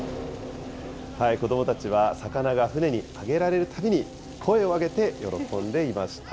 子どもたちは、魚が船に揚げられるたびに、声を上げて喜んでいました。